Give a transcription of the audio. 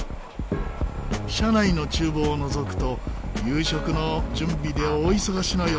車内の厨房をのぞくと夕食の準備で大忙しの様子。